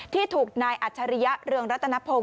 ที่ถูกนายอัจฉริยะเรืองรัตนพงศ